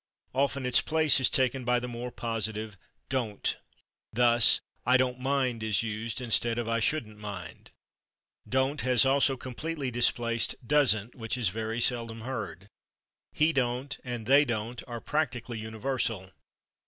Often its place is taken by the more positive /don't/. Thus "I /don't/ mind" is used instead of "I /shouldn't/ mind." /Don't/ has also completely displaced /doesn't/, which is very seldom heard. "He /don't/" and "they /don't/" are practically universal.